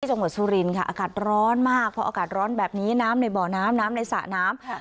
อากาศร้อนมากนาฬิบ่อน้ำนาฬิสาน้ำ